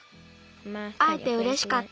あえてうれしかった。